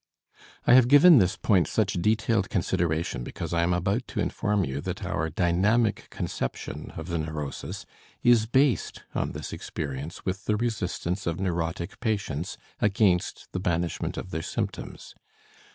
I have given this point such detailed consideration because I am about to inform you that our dynamic conception of the neurosis is based on this experience with the resistance of neurotic patients against the banishment of their symptoms.